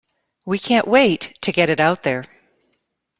We can't wait to get it out there.